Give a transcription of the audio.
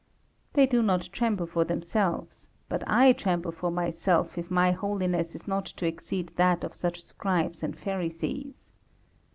They do not tremble for themselves, but I tremble for myself if my holiness is not to exceed that of such Scribes and Pharisees.